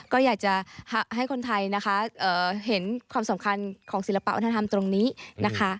ก็อยากจะให้คนไทยนะคะเห็นความสำคัญของศิลปะวัฒนธรรมตรงนี้นะคะ